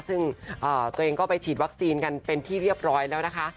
ซึ่งตัวเองก็ไปฉีดวัคซีนกันเป็นที่เรียบร้อยแล้วนะคะ